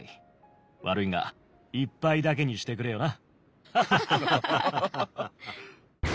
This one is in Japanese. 悪いが一杯だけにしてくれよな。